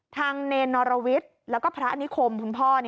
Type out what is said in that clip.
ทางเนรนรวิทย์และพระนิคมคุณพ่อ